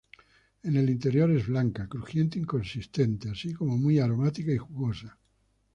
En el interior es blanca, crujiente y consistente, así como muy aromática y jugosa.